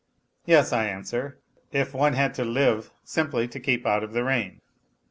Yes, I answer, if one had to live simply to keep out of the rain.